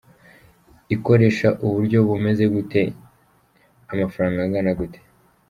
Ikoreshe uburyo bumeze gute, amafaranga angana gute ?